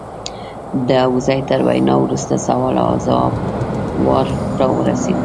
د ابوزید تر وینا وروسته سوال او ځواب وار راورسېد.